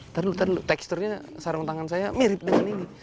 ntar dulu ntar dulu teksturnya sarung tangan saya mirip dengan ini